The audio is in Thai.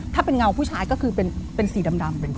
ถ้าเป็นเงาผู้ชายก็คือเป็นสีดำ